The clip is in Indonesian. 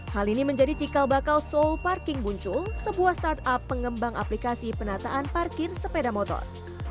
hal ini menjadi cikal bakal soul parking muncul sebuah startup pengembang aplikasi penataan parkir sepeda motor